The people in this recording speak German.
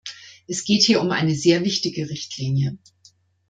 Es geht hier um eine sehr wichtige Richtlinie.